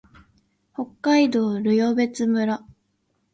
北海道留夜別村